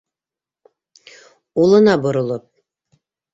Улына боролоп: